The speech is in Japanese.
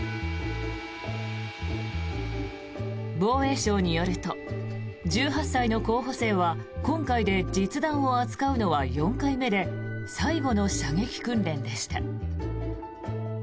防衛省によると１８歳の候補生は今回で実弾を扱うのは４回目で最後の射撃訓練でした。